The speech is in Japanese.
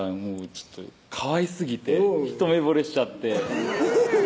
ちょっとかわいすぎて一目ぼれしちゃってフゥー！